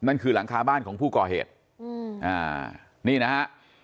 คือหลังคาบ้านของผู้ก่อเหตุอืมอ่านี่นะฮะ